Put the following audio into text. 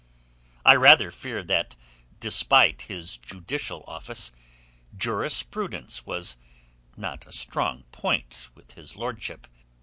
I rather fear that despite his judicial office, jurisprudence was not a strong point with his lordship.